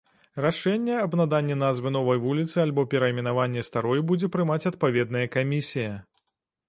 Рашэнне аб наданні назвы новай вуліцы альбо перайменаванні старой будзе прымаць адпаведная камісія.